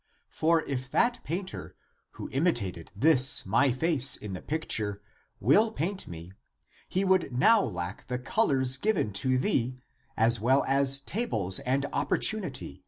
For if that painter, who imitated this my face in the picture, will paint me, he would now lack the colors given to thee as w^ell as tables and opportunity